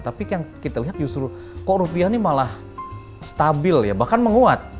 tapi yang kita lihat justru kok rupiah ini malah stabil ya bahkan menguat